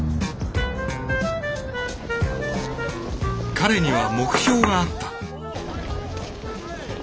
彼には目標があった。